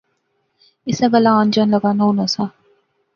اسے گلاہ آن جان لغا نا ہونا سا